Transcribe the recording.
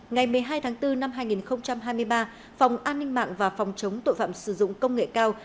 ngày một mươi hai tháng bốn năm hai nghìn hai mươi ba phòng an ninh mạng và phòng chống tội phạm sử dụng công nghệ cao